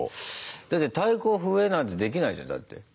だって太鼓笛なんてできないじゃんだって。